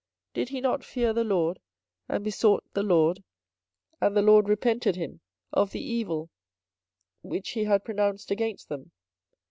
did he not fear the LORD, and besought the LORD, and the LORD repented him of the evil which he had pronounced against them?